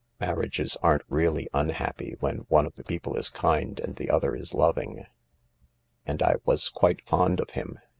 Marriages aren't reaUy unhappy when one of the people is kind and the other is loving. And I was quite fond of him.